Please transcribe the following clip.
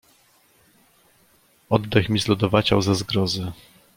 "Oddech mi zlodowaciał ze zgrozy."